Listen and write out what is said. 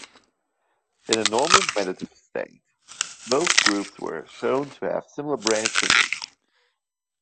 In a normal meditative state, both groups were shown to have similar brain activity.